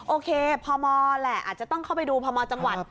โอเคพมแหละอาจจะต้องเข้าไปดูพมจังหวัด